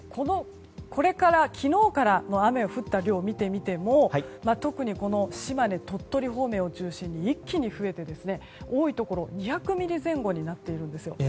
昨日からの雨が降った量を見てみても特に島根、鳥取方面を中心に一気に増えて多いところ２００ミリ前後になっているんです。